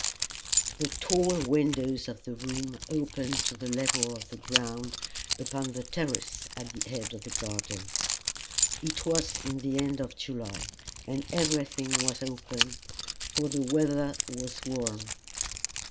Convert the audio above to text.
The tall windows of the room opened to the level of the ground upon the terrace at the head of the garden. It was in the end of July, and everything was open, for the weather was warm.